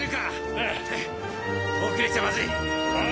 ああ遅れちゃまずいああ